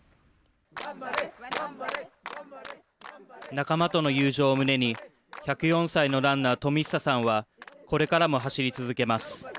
仲間との友情を胸に１０４歳のランナー冨久さんはこれからも走り続けます